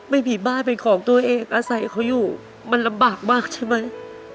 ไม่มีบ้านเป็นของตัวเองอาศัยเขาอยู่มันลำบากมากใช่ไหม